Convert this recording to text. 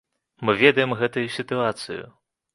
Мы ведаем гэтую сітуацыю.